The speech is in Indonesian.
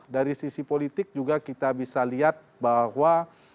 dari sisi politik juga kita bisa lihat bahwa